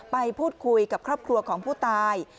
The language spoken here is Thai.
ไปพูดคุยกับครอบครัวของผู้ตาย